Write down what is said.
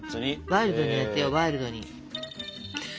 ワイルドにやってよワイルドに。